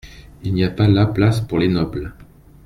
Il n'y a pas là place pour les nobles.